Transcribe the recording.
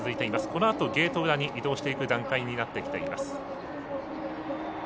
このあとゲート裏に移動していく段階になってきています。